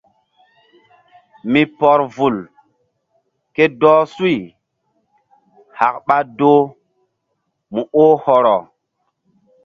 Mi pɔr vul ke dɔh suy hak ɓa doh mu oh hɔrɔ.